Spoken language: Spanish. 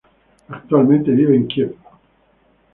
Actualmente vive en Kiev.